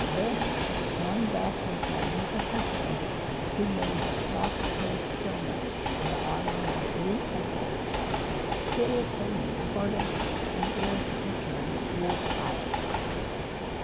Then, throwing back his magnificent head, he made the frost chilled stillnesses of the autumn night re echo with a hideously discordant and ear torturing wolf howl.